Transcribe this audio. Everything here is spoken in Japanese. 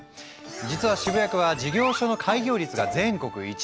実は渋谷区は事業所の開業率が全国１位！